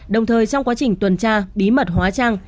đồng thời trong quá trình tuần tra bí mật hóa trang